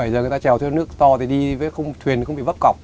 bảy giờ người ta trèo thêm nước to thì đi với không thuyền không bị vấp cọc